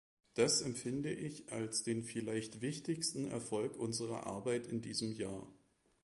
Das empfinde ich als den vielleicht wichtigsten Erfolg unserer Arbeit in diesem Jahr.